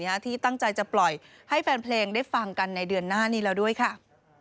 ที่ตั้งใจจะปล่อยให้แฟนเพลงได้ฟังกันในเดือนหน้านี้แล้วด้วยค่ะ